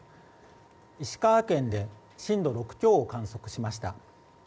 石川県で震度６強を観測しました。